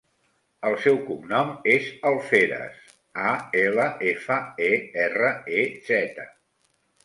El seu cognom és Alferez: a, ela, efa, e, erra, e, zeta.